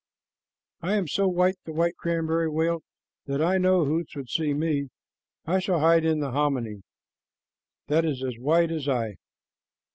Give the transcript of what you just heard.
"I am so white," the white cranberry wailed, "that I know Hoots would see me. I shall hide in the hominy. That is as white as I."